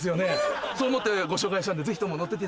そう思ってご紹介したんでぜひとも乗っていって。